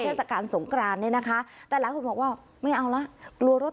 เทศกาลสงกรานเนี่ยนะคะแต่หลายคนบอกว่าไม่เอาละกลัวรถ